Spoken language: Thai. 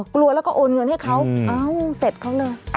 กลัวแล้วก็โอนเงินให้เขาเสร็จของเดิม